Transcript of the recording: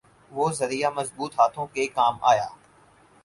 وہ ذریعہ مضبوط ہاتھوں کے کام آیا۔